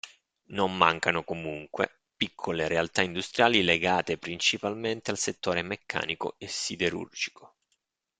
Non mancano, comunque, piccole realtà industriali legate, principalmente, al settore meccanico e siderurgico.